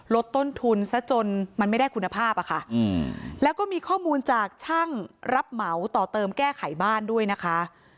ลดต้นทุนซะจนมันไม่ได้คุณภาพอะค่ะแล้วก็มีข้อมูลจากช่างรับเหมาต่อเติมแก้ไขบ้านด้วยนะคะ